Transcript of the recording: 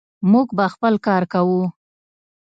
موږ به خپل کار کوو.